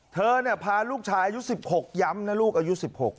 เธอเนี่ยพาลูกชายยุค๑๖ย้ำนะลูกอายุ๑๖